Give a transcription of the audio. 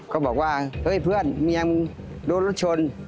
เขาบอกว่าเฮ้ยเพื่อนเมียงรถชน